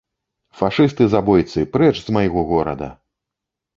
Фашысты-забойцы, прэч з майго горада!